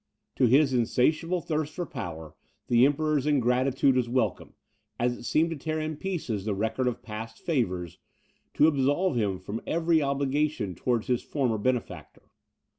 To his insatiable thirst for power, the Emperor's ingratitude was welcome, as it seemed to tear in pieces the record of past favours, to absolve him from every obligation towards his former benefactor.